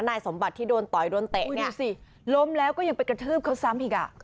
นายสมบัติที่โดนต่อยโดนเตะเนี่ยดูสิล้มแล้วก็ยังไปกระทืบเขาซ้ำอีกอ่ะ